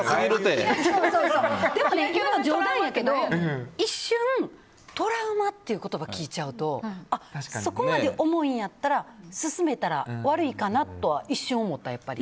でもね、今の冗談やけど一瞬トラウマっていう言葉を聞いちゃうとそこまで重いんやったら勧めたら悪いかなとは一瞬思った、やっぱり。